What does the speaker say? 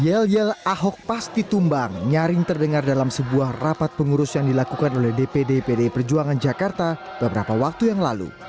yel yel ahok pasti tumbang nyaring terdengar dalam sebuah rapat pengurus yang dilakukan oleh dpd pdi perjuangan jakarta beberapa waktu yang lalu